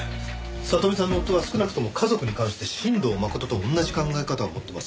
聡美さんの夫は少なくとも家族に関して新堂誠と同じ考え方を持ってます。